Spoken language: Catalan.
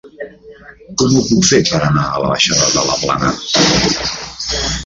Com ho puc fer per anar a la baixada de la Plana?